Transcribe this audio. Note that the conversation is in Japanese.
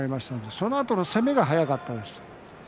そのあとの攻めが速かったです。